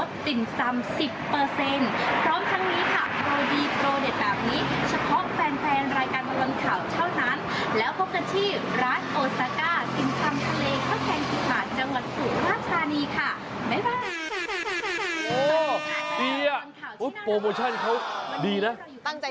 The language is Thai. ติมซัม๑๐เปอร์เซ็นต์พร้อมทั้งนี้ค่ะ